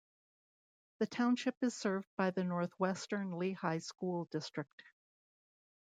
The Township is served by the Northwestern Lehigh School District.